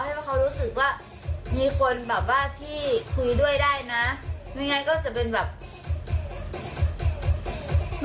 ให้ว่าเขารู้สึกว่ามีคนแบบว่าที่คุยด้วยได้นะ